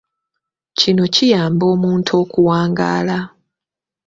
Kino kiyamba omuntu okuwangaala.